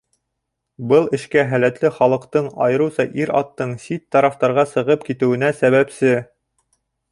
Был эшкә һәләтле халыҡтың, айырыуса ир-аттың сит тарафтарға сығып китеүенә сәбәпсе.